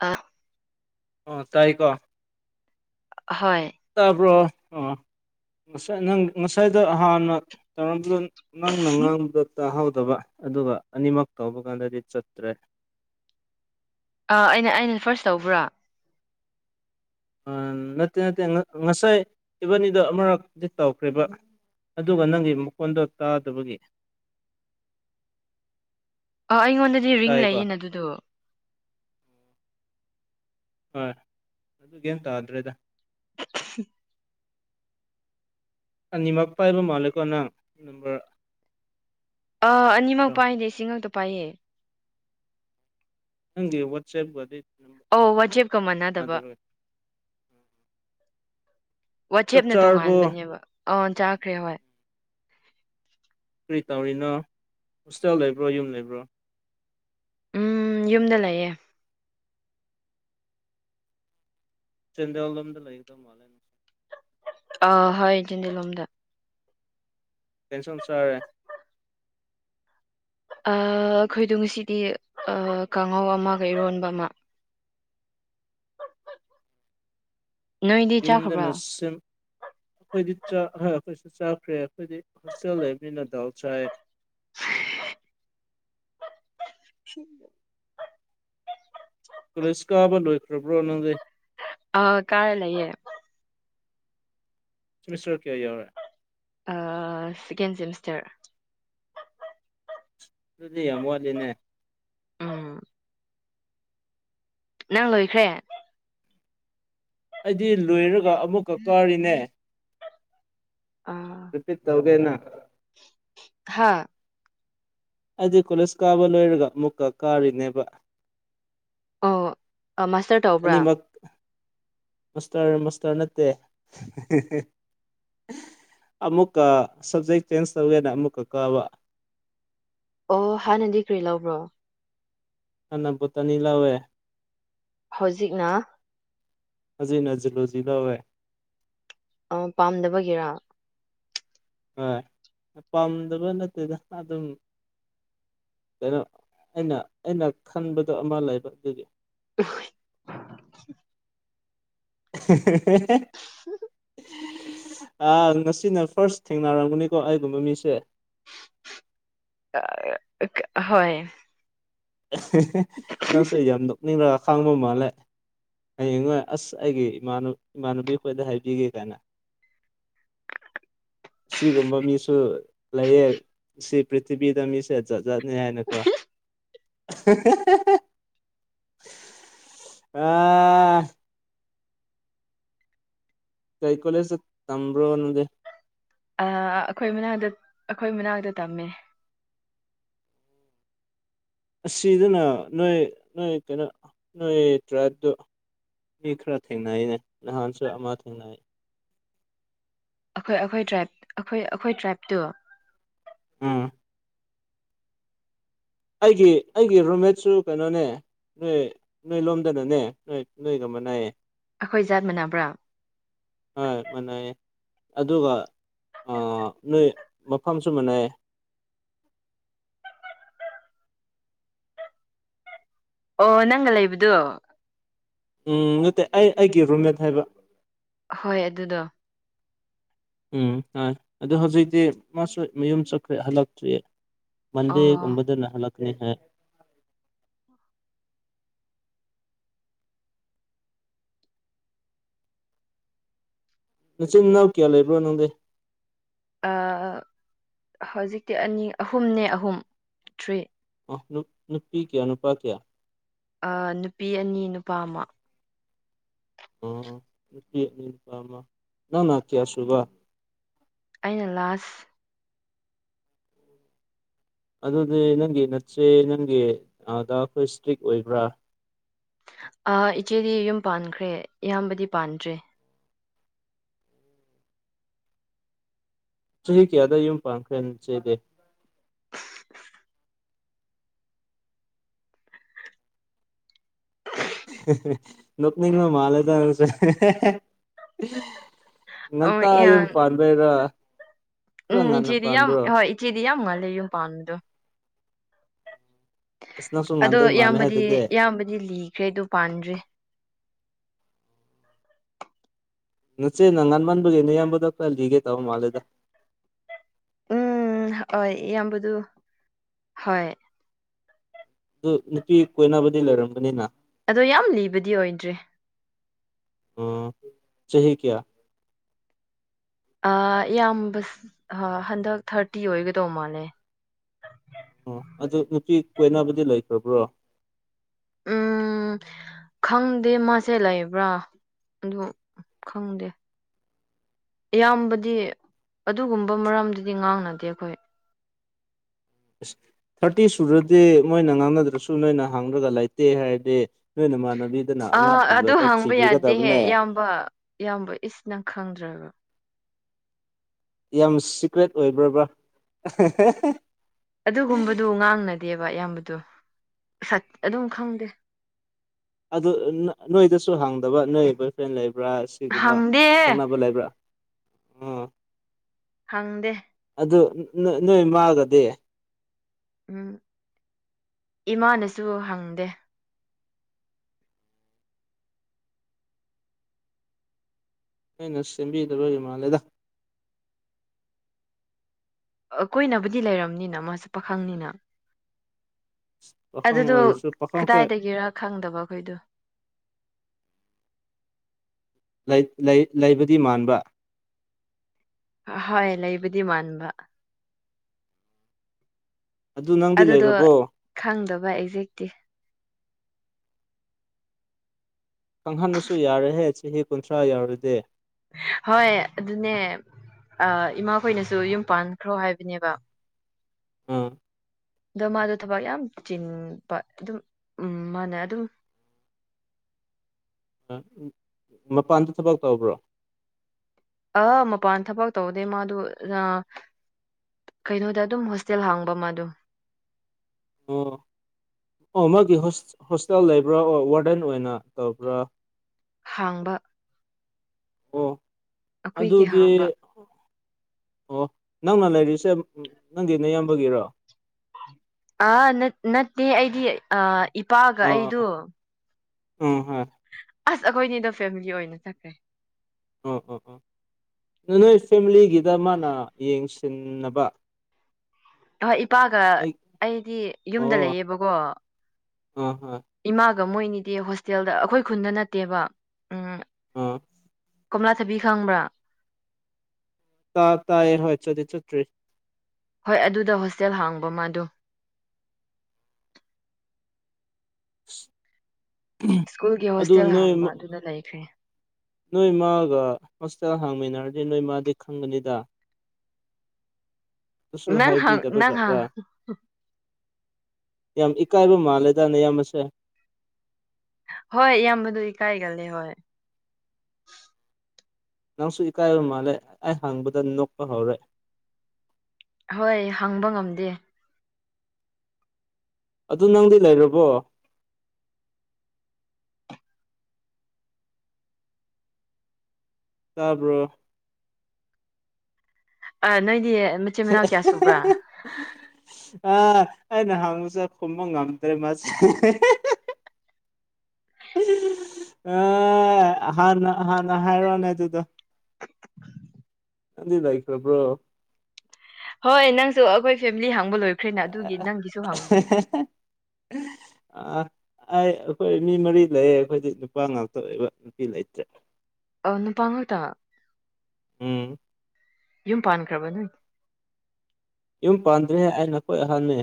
ꯑ ꯑꯣ ꯇꯥꯏꯀꯣ ꯍꯣꯏ ꯇꯥꯕ꯭ꯔꯣ ꯑꯣ ꯉꯁꯥꯏ ꯅꯪ ꯉꯁꯥꯏꯗ ꯍꯥꯟꯅ ꯇꯧꯔꯝꯕꯗꯣ ꯅꯪꯅ ꯉꯥꯡꯕꯗ ꯇꯥꯍꯧꯗꯕ ꯑꯗꯨꯒ ꯑꯅꯤꯃꯛ ꯇꯧꯕ ꯀꯥꯟꯗꯗꯤ ꯆꯠꯇ꯭ꯔꯦ ꯑꯥ ꯑꯩꯅ ꯑꯩꯅ ꯐꯥꯔꯁ ꯇꯧꯕ꯭ꯔꯥ ꯑ ꯅꯠꯇꯦ ꯅꯠꯇꯦ ꯉꯁꯥꯏ ꯏꯤꯕꯥꯅꯤꯗꯣ ꯑꯃꯨꯔꯛꯇꯗꯤ ꯇꯧꯈ꯭ꯦꯔꯤꯕ ꯑꯗꯨꯒ ꯅꯪꯒꯤ ꯃꯀꯣꯟꯗꯣ ꯇꯥꯗꯕꯒꯤ ꯑ ꯑꯩꯉꯣꯟꯗꯗꯤ ꯔꯤꯡ ꯇꯥꯏꯀꯣ ꯂꯩꯌꯦꯅ ꯑꯗꯨꯗꯣ ꯍꯣꯏ ꯑꯗꯨ ꯀꯝ ꯇꯥꯗ꯭ꯔꯦꯗ [unintelligible] ꯑꯅꯤꯃꯛ ꯄꯥꯏꯕ ꯃꯥꯜꯂꯦꯀꯣ ꯅꯪ ꯅꯝꯕꯔ ꯑꯥ ꯑꯅꯤꯃꯛ ꯄꯥꯏꯅꯦ ꯏꯁꯤꯡꯃꯛꯇ ꯄꯥꯏꯌꯦ ꯅꯪꯦ ꯋꯥꯠꯁꯑ ꯒꯗꯤ ꯑꯣ ꯋꯥꯖꯦꯞꯀ ꯃꯥꯟꯅꯗꯕ ꯆꯥꯛ ꯋꯥꯆꯦꯞꯅ ꯆꯥꯔꯕꯣ ꯇꯣꯡꯉꯥꯟꯕꯅꯦꯕ ꯑꯥ ꯆꯥꯈ꯭ꯔꯦ ꯍꯣꯏ ꯀꯔꯤ ꯇꯧꯔꯤꯅꯣ ꯍꯣꯁꯇꯦꯜ ꯂꯩꯕ꯭ꯔꯣ ꯌꯨꯝ ꯂꯩꯕ꯭ꯔꯣ ꯎꯝ ꯌꯨꯝꯗ ꯂꯩꯌꯦꯦ ꯆꯗ ꯋꯥ ꯂꯝꯝꯗ ꯂ ꯂꯩ ꯑꯗꯨ ꯃꯥꯂꯦꯅꯦ ꯑ ꯍꯣꯏ ꯆꯦꯟꯗꯂꯣꯝꯗ ꯇꯦꯟꯁꯟ ꯁꯔꯦ ꯈꯣꯏꯗꯅꯨꯡꯁꯤꯗꯤ ꯀꯥꯡꯍꯧ ꯑꯃꯒ ꯏꯔꯣꯟꯕ ꯑꯃ ꯅꯣꯏꯗꯤ ꯌꯨꯝꯗ ꯆꯥꯈ꯭ꯔꯕ꯭ꯔꯥ ꯅꯔꯁꯝ ꯑꯩꯈꯣꯏꯗꯤꯥꯛ ꯍꯣꯏ ꯑꯩꯈꯣꯏꯁꯨ ꯆꯥꯈ꯭ꯔꯦ ꯑꯩꯈꯣꯏꯗꯤ ꯍꯣꯁꯇꯦꯜ ꯂꯩꯕꯅꯤꯅ ꯗꯥꯎ ꯆꯥꯏꯦ ꯁꯤ ꯄꯨꯂꯤꯁ ꯀꯥꯕ ꯂꯣꯏꯈ꯭ꯔꯕ꯭ꯔꯣ ꯅꯪꯗꯤꯦ ꯑ ꯀꯥꯔ ꯂꯩꯌꯦꯦ ꯁꯤꯃꯤꯁꯇꯔ ꯀꯌꯥ ꯌꯥꯎꯔꯦ ꯁꯦꯀꯦꯟ ꯁꯦꯃꯤꯁꯇꯔ ꯑꯗꯨꯗꯤ ꯌꯥꯝꯃꯛꯗꯤꯅꯦ ꯎꯝ ꯅꯪ ꯂꯣꯏꯈ꯭ꯔꯦ ꯑꯩꯗꯤ ꯂꯣꯏꯔꯒ ꯑꯃꯨꯛꯀ ꯀꯥꯔꯤꯅꯦ ꯑ ꯔꯤꯄꯤꯠ ꯇꯧꯒꯦꯅ ꯍꯥꯥ ꯑꯩꯗꯤ ꯀꯣꯂꯦꯖ ꯀꯥꯕ ꯂꯣꯏꯔꯒ ꯑꯃꯨꯛꯀ ꯀꯥꯔꯤꯅꯦꯕ ꯑꯣ ꯃꯥꯁꯇꯔ ꯇꯧꯕ꯭ꯔꯥ ꯑꯅꯤꯃꯛ ꯃꯁꯇꯔ ꯃꯁꯇꯔ ꯅꯠꯇꯦ ꯑꯃꯨꯛꯀ ꯁꯕꯖꯦꯛ ꯆꯦꯟꯖ ꯇꯧꯒꯦꯅ ꯑꯃꯨꯛꯀ ꯀꯥꯕ ꯑꯣ ꯍꯥꯟꯅꯗꯤ ꯀꯔꯤ ꯂꯕ꯭ꯔꯣ ꯀꯅꯥꯕꯣꯇꯅꯤ ꯂꯋꯦ ꯍꯧꯖꯤꯛꯅ ꯍꯧꯖꯤꯛꯅꯖꯤꯔꯂꯖꯤꯛ ꯂꯧꯋꯦ ꯑ ꯄꯥꯝꯗꯕꯒꯤ ꯔꯥ ꯍꯣꯏ ꯄꯥꯝꯗꯕ ꯅꯠꯇꯦꯗ ꯑꯗꯨꯝ ꯀꯩꯅꯣ ꯑꯩꯅ ꯑꯩꯅ ꯈꯟꯕꯗꯣ ꯑꯃ ꯂꯩꯕ ꯑꯗꯨꯒꯤ [inaudible] [inaudible] ꯎ ꯑ ꯉꯁꯤꯅ ꯐꯥꯔꯁ ꯊꯦꯡꯅꯔꯝꯒꯅꯤꯀꯣ ꯑꯩꯒꯨꯝꯕ ꯃꯤꯁꯦ ꯍꯣꯏ ꯅꯪꯁꯦ ꯌꯥꯝ ꯅꯣꯛꯅꯤꯡꯂꯒ ꯈꯥꯡꯕ ꯃꯥꯜꯂꯦ ꯍꯌꯦꯡꯉꯣꯏ ꯑꯁ ꯑꯩꯒꯤ ꯏꯃꯥꯟ ꯏꯃꯥꯟꯅꯨꯕꯤ ꯈꯣꯏꯗ ꯍꯥꯏꯕꯤꯒꯦ ꯀꯥꯏꯅ ꯁꯤꯒꯨꯝꯕ ꯃꯤꯁꯨ ꯂꯩꯌꯦ ꯁꯤ ꯄ꯭ꯔꯤꯊꯤꯕꯤꯗ ꯃꯤꯁꯦ ꯖꯥꯠ ꯖꯥꯠꯅꯤ ꯍꯥꯏꯅꯀꯣ ꯑꯥ ꯀꯩ ꯀꯣꯂꯦꯁ ꯇꯝꯕ꯭ꯔꯣ ꯅꯪꯗꯤ ꯑ ꯑꯩꯈꯣꯏ ꯃꯅꯥꯛꯇ ꯑꯩꯈꯣꯏ ꯃꯅꯥꯛꯇ ꯇꯝꯃꯦ ꯑꯁꯤꯗꯅ ꯅꯣꯏ ꯅꯣꯏ ꯀꯩꯅꯣ ꯅꯣꯏ ꯇ꯭ꯔꯥꯗꯨ ꯃꯤ ꯈꯔ ꯊꯦꯡꯏꯅꯦ ꯅꯍꯥꯟꯁꯨ ꯑꯃꯥ ꯊꯦꯡꯅꯩ ꯑꯩꯈꯣꯏ ꯑꯩꯈꯣꯏ ꯇ꯭ꯔꯥꯏꯞ ꯑꯩꯈꯣꯏ ꯑꯩꯈꯣꯏ ꯇ꯭ꯔꯥꯏꯞꯇꯣ ꯎꯝ ꯑꯩꯒꯤ ꯑꯩꯒꯤ ꯔꯨꯝꯃꯦꯠꯁꯨ ꯀꯩꯅꯣꯅꯦ ꯅꯣꯏ ꯅꯣꯏ ꯂꯣꯝꯗꯅꯅꯦ ꯅꯣꯏ ꯅꯣꯏꯒ ꯃꯅꯩꯏꯌꯦ ꯑꯩꯈꯣꯏ ꯖꯥꯠ ꯃꯥꯟꯅꯕ꯭ꯔꯥ ꯍꯣꯏ ꯃꯥꯅꯩꯌꯦ ꯑꯗꯨꯒ ꯑ ꯅꯣꯏ ꯃꯐꯝꯁꯨ ꯃꯥꯟꯅꯩ ꯑꯣ ꯅꯪꯒ ꯂꯩꯕꯗꯣ ꯎꯝ ꯅꯠꯇꯦ ꯑꯩ ꯑꯩꯒꯤ ꯔꯨꯝꯃꯦꯠ ꯍꯥꯏꯕ ꯍꯣꯏ ꯑꯗꯨꯗꯣ ꯎꯝ ꯍꯣꯏ ꯑꯗ ꯍꯧꯖꯤꯛꯇꯤ ꯃꯥꯁꯨ ꯃꯌꯨꯝ ꯆꯈ꯭ꯔꯠ ꯍꯜꯂꯛꯇ꯭ꯔꯤꯌꯦ ꯃꯟꯗꯦ ꯑꯣ ꯒꯨꯝꯕꯗꯅ ꯍꯟꯂꯛꯅꯦ ꯍꯥꯏ ꯅꯆꯤꯟ ꯅꯅꯥꯎ ꯀꯌꯥ ꯂꯩꯕ꯭ꯔꯣ ꯅꯪꯗꯤ ꯑ ꯍꯧꯖꯤꯛꯇꯤ ꯑꯅꯤ ꯑꯍꯨꯝꯅꯦ ꯑꯍꯨꯝ ꯊ꯭ꯔꯤ ꯑ ꯅꯨ ꯅꯨꯄꯤ ꯀꯌꯥ ꯅꯨꯄꯥ ꯀꯌꯥ ꯑ ꯅꯨꯄꯤ ꯑꯅꯤ ꯅꯨꯄꯥ ꯑꯃ ꯑꯣ ꯅꯨꯄꯤ ꯅꯨꯄꯥ ꯑꯃ ꯅꯅ ꯀꯌꯥ ꯁꯨꯕ ꯑꯩꯅ ꯂꯥꯁ ꯑꯗꯨꯗꯤ ꯅꯪꯒꯤ ꯅꯠꯁꯦ ꯅꯪꯒꯤ ꯗꯥꯗ ꯈꯣꯏ ꯏꯁꯇ꯭ꯔꯤꯛ ꯑꯣꯏꯕ꯭ꯔꯥ ꯑ ꯏꯆꯦꯗꯤ ꯌꯨꯝ ꯄꯥꯟꯈ꯭ꯔꯦ ꯏꯌꯥꯝꯕꯗꯤ ꯄꯥꯟꯗ꯭ꯔꯤ ꯆꯍꯤ ꯀꯌꯥꯗ ꯌꯨꯝ ꯄꯥꯟꯈ꯭ꯔꯦ ꯅꯆꯦꯗꯤ ꯅꯣꯛꯅꯤꯡꯕ ꯃꯥꯂꯦꯗ ꯅꯪꯁꯦ ꯑꯣ ꯉꯟꯇ ꯌꯨꯝ ꯄꯥꯟꯕꯩꯔ ꯎꯝ ꯏꯆꯦꯗꯤ ꯌꯥꯝ ꯍꯣꯏ ꯏꯆꯦꯗꯤ ꯌꯥꯝ ꯉꯂꯂꯦ ꯌꯨꯝ ꯄꯥꯟꯕꯗꯣ ꯑꯁ ꯅꯪꯁꯨ ꯑꯗꯣ ꯉꯥꯟꯗꯣꯏ ꯃꯥꯜꯂꯦ ꯏꯌꯥꯝꯕꯗꯤ ꯍꯥꯏꯗꯨꯗꯤ ꯏꯌꯥꯝꯕꯗꯤ ꯂꯤꯈ꯭ꯔꯦ ꯑꯗꯨ ꯄꯥꯟꯗ꯭ꯔꯤ [inaudible] ꯅꯆꯦꯅ ꯉꯟꯃꯟꯕꯒꯤ ꯅꯥꯌꯥꯝꯕꯗꯣ ꯈꯔ ꯂꯤꯒꯦ ꯇꯧꯕ ꯃꯥꯜꯂꯤꯗ ꯎꯝ ꯍꯣꯏ ꯏꯌꯥꯝꯕꯗꯨ ꯍꯣꯏ ꯑꯗꯨ ꯅꯨꯄꯤ ꯀꯣꯏꯅꯕꯗꯤ ꯂꯩꯔꯝꯒꯅꯤꯅ ꯑꯗꯣ ꯌꯥꯝ ꯂꯤꯕꯗꯤ ꯑꯣꯏꯗ꯭ꯔꯤ ꯑꯣ ꯆꯍꯤ ꯀꯌꯥ ꯑ ꯏꯌꯥꯝꯕ ꯍꯟꯗꯛ ꯊꯥꯔꯇꯤ ꯑꯣꯏꯒꯗꯧ ꯃꯥꯜꯂꯦ ꯑꯣ ꯑꯗꯨ ꯅꯨꯄꯤ ꯀꯣꯏꯅꯕꯗꯤ ꯂꯩꯈ꯭ꯔꯕ꯭ꯔꯣ ꯎꯝ ꯈꯪꯗꯦ ꯃꯥꯁꯦ ꯂꯩꯕ꯭ꯔꯥ ꯑꯗꯨ ꯈꯪꯗꯦ ꯏꯌꯥꯝꯕꯗꯤ ꯑꯗꯨꯒꯨꯝꯕ ꯃꯔꯝꯗꯗꯤ ꯉꯥꯡꯅꯗꯦ ꯑꯩꯈꯣꯏ ꯏꯁ ꯊꯥꯔꯇꯤ ꯁꯨꯔꯗꯤ ꯃꯣꯏꯅ ꯉꯥꯡꯅꯗ꯭ꯔꯁꯨ ꯅꯣꯏꯅ ꯍꯥꯡꯔꯒ ꯂꯩꯇꯦ ꯍꯥꯏꯔꯗꯤ ꯂꯩꯅ ꯃꯥꯅꯕꯤ ꯑ ꯑꯗꯨ ꯍꯪꯕ ꯌꯥꯗꯦꯍꯦ ꯏꯌꯥꯝꯕ ꯏꯌꯥꯝꯕ ꯏꯁꯅ ꯈꯪꯗ꯭ꯔꯕ ꯌꯥꯝ ꯁꯤꯀ꯭ꯔꯦꯠ ꯑꯣꯏꯕ꯭ꯔꯕ꯭ꯔꯥ ꯑꯗꯨꯒꯨꯝꯕꯗꯨ ꯉꯥꯡꯅꯗꯦꯕ ꯑꯌꯥꯝꯕꯗꯣ ꯑꯗꯨꯝ ꯈꯪꯗꯦ ꯑꯗꯨ ꯅꯣꯏꯗꯁꯨ ꯍꯥꯡꯗꯕ ꯅꯣꯏ ꯕꯣꯏ ꯐ꯭ꯔꯦꯟ ꯂꯩꯕ꯭ꯔꯥ ꯁꯤꯒꯨꯝꯕ ꯍꯪꯗꯦ ꯈꯪꯅꯕ ꯂꯩꯕ꯭ꯔꯥ ꯑꯥ ꯍꯪꯗꯦ ꯑꯗꯨ ꯅꯣꯏ ꯃꯥꯒꯗꯤ ꯎꯝ ꯏꯃꯥꯅꯁꯨ ꯍꯪꯗꯦ ꯑꯩꯅ ꯁꯦꯝꯕꯤꯗꯔꯣꯏꯔꯤ ꯃꯥꯜꯂꯦꯗ ꯀꯣꯏꯅꯕꯗꯤ ꯂꯩꯔꯕꯝꯅꯤꯅ ꯃꯥꯁꯨ ꯄꯥꯈꯪꯅꯤꯅ [inaudible] ꯑꯗꯨꯗꯣ ꯑꯣꯏꯔꯁꯨ ꯄꯥꯈꯪꯈꯣꯏ ꯀꯗꯥꯏꯗꯒꯤꯔ ꯈꯪꯗꯕ ꯑꯩꯈꯣꯏꯗꯣ ꯂꯩꯕꯗꯤ ꯃꯥꯟꯕ ꯑ ꯍꯣꯏ ꯂꯩꯕꯗꯤ ꯃꯥꯟꯕ ꯑꯗꯨ ꯅꯪꯗꯤ ꯑꯗꯨꯗꯣ ꯂꯩꯔꯕꯣ ꯈꯪꯗꯕ ꯑꯦꯛꯖꯦꯛꯇꯤ ꯀꯪꯍꯟꯕꯁꯨ ꯌꯥꯔꯦꯍꯦ ꯆꯍꯤ ꯀꯨꯟꯊ꯭ꯔꯥ ꯌꯥꯎꯔꯗꯤꯦ ꯍꯣꯏ ꯑꯗꯨꯅꯦ ꯏꯃꯥꯈꯣꯏꯅꯁꯨ ꯌꯨꯝ ꯄꯥꯟꯈ꯭ꯔꯣ ꯍꯥꯏꯕꯅꯦꯕ ꯎꯝ ꯑꯗꯣ ꯃꯥꯗꯣ ꯊꯕꯛ ꯌꯥꯝ ꯆꯤꯟꯕ ꯑꯗꯨꯝ ꯎꯝ ꯃꯥꯅ ꯑꯗꯨꯝ ꯃꯄꯥꯟꯗ ꯊꯕꯛ ꯇꯧꯕ꯭ꯔꯣ ꯑ ꯃꯄꯥꯟ ꯊꯕꯛ ꯇꯧꯗꯦ ꯃꯥꯗꯨ ꯀꯩꯅꯣꯗ ꯑꯗꯨꯝ ꯍꯣꯁꯇꯦꯜ ꯍꯥꯡꯕ ꯃꯥꯗꯣ ꯑꯣ ꯑꯣ ꯃꯥꯒꯤ ꯍꯣꯁꯇꯦꯜ ꯂꯩꯕ꯭ꯔꯥ ꯑꯣ ꯋꯥꯔꯗꯦꯟ ꯑꯣꯏꯅ ꯇꯧꯕ꯭ꯔꯥ ꯍꯥꯡꯕ ꯑꯣ ꯑꯩꯈꯣꯏꯒꯤ ꯑꯗꯨꯗꯤ ꯍꯥꯡꯕ ꯑꯣ ꯅꯪꯅ ꯂꯩꯔꯤꯁꯦ ꯅꯪꯒꯤ ꯅꯌꯥꯝꯕꯒꯤꯔꯣ ꯑꯥ ꯅꯠꯇꯦ ꯑꯩꯗꯤ ꯑ ꯏꯄꯥꯒ ꯑꯥ ꯑꯥ ꯑꯩꯗꯣ ꯑꯥ ꯎꯝ ꯍꯣꯏ ꯑꯁ ꯑꯩꯈꯣꯏꯅꯤꯗꯣ ꯐꯦꯃꯤꯂꯤ ꯑꯣꯏꯅ ꯆꯠꯈ꯭ꯔꯦ ꯑꯣ ꯑꯣ ꯑꯣ ꯅꯣꯏ ꯐꯦꯃꯤꯂꯤꯒꯤꯗ ꯃꯥꯅ ꯌꯦꯡꯁꯤꯟꯅꯕ ꯍꯍꯣꯏ ꯏꯄꯥꯒ ꯑꯩ ꯑꯩꯗꯤ ꯌꯨꯝꯗ ꯂꯩꯌꯦꯕꯀꯣ ꯎꯝ ꯍꯝ ꯏꯃꯥꯒ ꯃꯣꯏꯅꯤꯗꯤ ꯍꯣꯁꯇꯦꯜꯗ ꯑꯩꯈꯣꯏ ꯈꯨꯟꯗ ꯅꯠꯇꯦꯕ ꯎꯝ ꯑꯥ ꯀꯣꯝꯂꯥ ꯊꯕꯤ ꯈꯪꯕ꯭ꯔꯥ ꯇ ꯇꯑ ꯍ ꯆꯗꯤ ꯆꯇ꯭ꯔꯤ ꯍꯣꯏ ꯑꯗꯨꯗ ꯍꯣꯁꯇꯦꯜ ꯍꯥꯡꯕ ꯑꯃꯗꯣ [inaudible] ꯁ꯭ꯀꯨꯜꯒꯤ ꯑꯗꯨ ꯍꯣꯁꯇꯦꯜ ꯅꯣꯏ ꯍꯥꯡꯕ ꯑꯗꯨꯗ ꯂꯩꯈ꯭ꯔꯦ ꯅꯣꯏ ꯃꯥꯒ ꯍꯣꯁꯇꯦꯜ ꯍꯥꯡꯃꯤꯟꯅꯔꯗꯤ ꯅꯣꯏ ꯃꯥꯗꯤ ꯈꯪꯒꯅꯤꯗ ꯇꯁꯨ ꯅꯪ ꯍꯪ ꯍꯥꯏꯕꯤꯗꯕ ꯅꯪ ꯍꯪ ꯖꯠ꯭ꯔꯥ ꯌꯥꯝ ꯏꯀꯥꯏꯕ ꯃꯥꯜꯂꯦꯗꯅꯦ ꯌꯥꯝ ꯃꯁꯦ ꯍꯣꯏ ꯏꯌꯥꯝꯕꯗꯗꯤ ꯀꯥꯏꯒꯂꯦ ꯍꯣꯏ ꯅꯪꯁꯨ ꯏꯀꯥꯏꯕ ꯃꯥꯜꯂꯦ ꯑꯩ ꯍꯪꯕꯗ ꯅꯣꯛꯄ ꯍꯧꯔꯦ ꯍꯣꯏ ꯍꯪꯕ ꯉꯝꯗꯦ ꯑꯗꯨ ꯅꯪꯗꯤ ꯂꯩꯔꯕꯣ ꯇꯥꯕ꯭ꯔꯣ ꯑ ꯅꯣꯏꯗꯤ ꯃꯆꯤꯟ ꯃꯅꯥꯎ ꯀꯌꯥ ꯁꯨꯕ꯭ꯔꯥ ꯑ ꯑꯩꯅ ꯍꯪꯁ ꯈꯨꯃꯪ ꯉꯝꯇꯔꯦ ꯃꯥꯁ ꯑꯦ ꯍꯥꯟꯅ ꯍꯥꯟꯅ ꯍꯥꯏꯔꯣꯅꯦ ꯑꯗꯨꯗꯣ ꯅꯪꯗꯤ ꯂꯥꯏꯈ꯭ꯔꯕ꯭ꯔꯣ ꯍꯣꯏ ꯅꯪꯁꯨ ꯑꯩꯈꯣꯏ ꯐꯦꯃꯤꯂꯤ ꯍꯥꯡꯕ ꯂꯣꯏ [unintelligible] ꯑ ꯑꯩ ꯑꯩꯈꯣꯏ ꯃꯤ ꯃꯔꯤ ꯂꯩꯌꯦ ꯑꯩꯈꯣꯏꯗꯤ ꯅꯨꯄꯥ ꯉꯥꯛꯇ ꯑꯣꯏꯕ ꯅꯨꯄꯤ ꯂꯩꯇ꯭ꯔꯦ ꯑ ꯅꯨꯄꯥꯥꯉꯇ ꯎꯝ ꯌꯨꯝ ꯄꯥꯟꯈ꯭ꯔꯕ ꯅꯣꯏ ꯌꯨꯝ ꯄꯥꯟꯗ꯭ꯔꯦ ꯑꯩ ꯅꯈꯣꯏ ꯑꯍꯟꯦ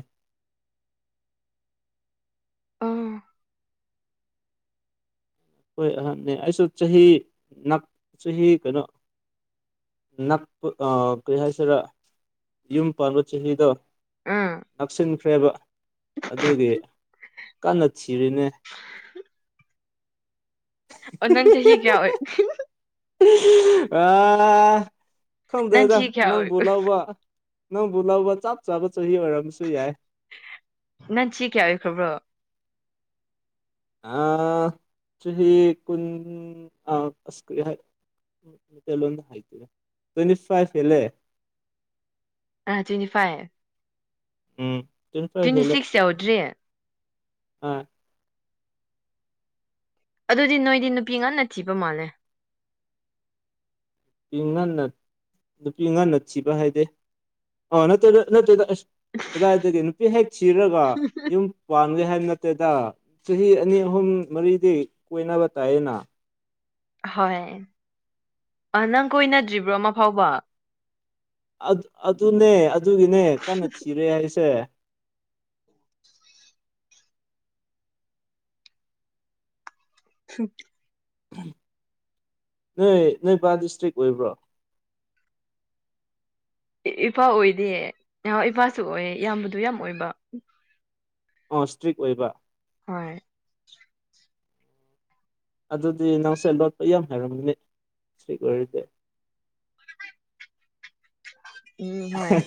ꯑꯥ ꯍꯣꯏ ꯑꯍꯟꯅꯦ ꯑꯩꯁꯨ ꯆꯍꯤ ꯆꯍꯤ ꯀꯩꯅꯣ ꯅꯛꯄ ꯀꯩ ꯍꯥꯏꯁꯤꯔꯥ ꯌꯨꯝ ꯄꯥꯟꯕ ꯆꯍꯤꯗ ꯎꯝ ꯅꯛꯁꯤꯟꯈ꯭ꯔꯦꯕ ꯑꯗꯨꯒꯤ ꯀꯟꯅ ꯊꯤꯔꯤꯅꯦ ꯑꯣꯅ ꯆꯍꯤ ꯆꯍꯤ ꯀꯌꯥ ꯑꯣꯏ ꯑ ꯈꯪꯗ ꯅꯪ ꯑꯗ ꯆꯍꯤ ꯀꯌꯥ ꯅꯪꯕꯨ ꯂꯥꯎꯕ ꯅꯪꯕꯨ ꯂꯧꯕ ꯆꯞ ꯆꯥꯕ ꯆꯍꯤ ꯑꯣꯏꯔꯝꯝꯕꯁꯨ ꯌꯥꯏ ꯅꯪ ꯁꯤ ꯀꯌꯥ ꯑꯣꯏꯈ꯭ꯔꯕ꯭ꯔꯣ ꯑ ꯀꯨꯟ ꯑꯁꯀ꯭ꯔꯤ ꯍꯥꯏ꯭ꯋꯦꯟꯇꯤ ꯐꯥꯏꯂꯦ ꯑꯥ ꯇꯨꯟꯇꯤ ꯐꯥꯏ ꯎꯝ ꯇ ꯐꯥꯏ ꯍꯂ ꯁꯤꯛꯁ ꯌꯧꯗ꯭ꯔꯤ ꯑ ꯑꯗꯨꯗꯤ ꯅꯣꯏꯗꯤ ꯅꯨꯄꯤ ꯉꯟꯅ ꯊꯤꯕ ꯃꯥꯜꯂꯦ ꯅꯨꯄꯤ ꯉꯉꯟꯅ ꯅꯨꯄꯤ ꯉꯟꯅ ꯊꯤꯕ ꯍꯥꯏꯗꯦ ꯑꯥ ꯅꯠꯇ꯭ꯔꯦꯗ ꯅꯠꯇ꯭ꯔꯦꯗ ꯑꯁ ꯀꯗꯥꯥꯏꯗꯒꯤ ꯅꯨꯄꯤ ꯍꯦꯛ ꯆꯔꯒ ꯌꯨꯝ ꯄꯡꯒꯦ ꯍꯥꯏꯕ ꯅꯠꯇꯦꯗ ꯆꯍꯤ ꯑꯅꯤ ꯑꯍꯨꯝ ꯃꯔꯤꯗꯤ ꯀꯣꯏꯅꯕ ꯇꯥꯏꯌꯦꯅ ꯍꯣꯏ ꯅꯪ ꯀꯣꯏꯅꯗ꯭ꯔꯤꯕ꯭ꯔꯣ ꯑꯃ ꯐꯥꯎꯕ ꯑꯗꯨꯅꯦ ꯑꯗꯨꯒꯤꯅꯦ ꯀꯟꯅ ꯊꯤꯔꯦ ꯍꯥꯏꯁꯦ [unintelligible] ꯅꯣꯏ ꯅꯣꯏꯄꯥ ꯗꯤꯁꯇ꯭ꯔꯤꯛ ꯑꯣꯏꯕ꯭ꯔꯣ ꯏꯄꯥ ꯑꯣꯏꯗꯦ ꯏꯄꯥꯁꯨ ꯑꯣꯏ ꯏꯌꯥꯝꯕꯗꯨ ꯌꯥꯝ ꯑꯣꯏꯕ ꯑ ꯏꯁ꯭ꯇ꯭ꯔꯤꯛ ꯑꯣꯏꯕ ꯍꯣꯏ ꯑꯗꯨꯗꯤ ꯅꯪꯁꯦ ꯂꯣꯠꯄ ꯌꯥꯝ ꯍꯥꯏꯔꯝꯒꯅꯤ ꯁꯤ ꯑꯣꯏꯔꯗꯤ ꯎꯝ ꯍꯣꯏ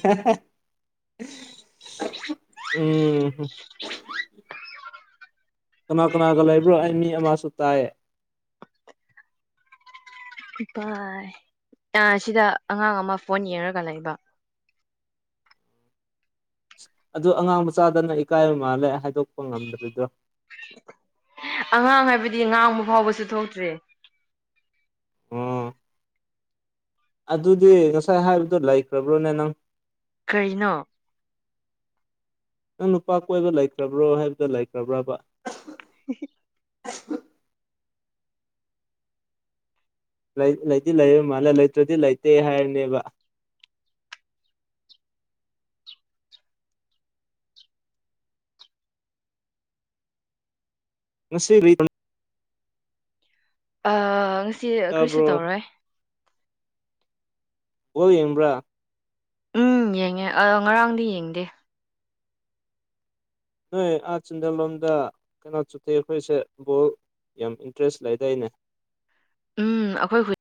ꯎꯝ ꯀꯅꯥ ꯀꯅꯥꯒ ꯂꯩꯕ꯭ꯔꯣ ꯑꯩ ꯃꯤ ꯑꯃꯁꯨ ꯇꯥꯏꯌꯦ ꯁꯤꯗ ꯑꯉꯥꯡ ꯑꯃ ꯐꯣꯟ ꯌꯦꯡꯉꯒ ꯂꯩꯕ ꯑꯗꯨ ꯑꯉꯥꯡ ꯃꯆꯥꯗꯅ ꯏꯀꯥꯏꯕ ꯃꯥꯜꯂꯦ ꯍꯥꯏꯗꯣꯛꯄ ꯉꯝꯗꯕꯤꯗꯣ ꯑꯉꯥꯡ ꯍꯥꯏꯕꯗꯤ ꯉꯥꯡꯕ ꯐꯥꯎꯕꯁꯨ ꯊꯣꯛꯇ꯭ꯔꯦ ꯑꯣ ꯑꯗꯨꯗꯤ ꯉꯁꯥꯏ ꯍꯥꯏꯕꯗꯣ ꯂꯩꯈ꯭ꯔꯕ꯭ꯔꯣꯅꯦ ꯅꯪ ꯀꯔꯤꯅꯣ ꯅꯪ ꯅꯨꯄꯥ ꯀꯣꯏꯕ ꯂꯩꯈ꯭ꯔꯕ꯭ꯔꯣ ꯍꯥꯏꯕꯗ ꯂꯩꯈ꯭ꯔꯕ꯭ꯔꯕ [inaudible] ꯂꯩꯗꯤ ꯂꯩ ꯃꯥꯜꯂꯦ ꯂꯩꯇ꯭ꯔꯗꯤ ꯂꯩꯇꯦ ꯍꯥꯏꯔꯅꯦꯕ ꯉ ꯁꯤ ꯉꯁꯤ ꯀ꯭ꯔꯤꯁꯨ ꯇꯥꯕ꯭ꯔꯣ ꯇꯧꯔꯣꯏ ꯑꯣ ꯌꯦꯟ꯭ꯔꯥ ꯎꯝ ꯌꯦꯡꯉꯦ ꯉꯔꯥꯡꯗꯤ ꯌꯦꯡꯗꯦ ꯅꯣꯏ ꯑꯥ ꯆꯤꯟꯗ ꯂꯣꯝꯗ ꯀꯩꯅꯣ ꯆꯨꯠꯇꯦ ꯑꯩꯈꯣꯏꯁꯦ ꯕꯣꯜ ꯌꯥꯝ ꯏꯟꯇꯔꯦꯁ ꯂꯩꯗꯩꯅꯦ ꯎꯝ ꯑꯩꯈꯣꯏ